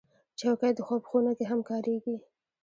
چوکۍ د خوب خونه کې هم کارېږي.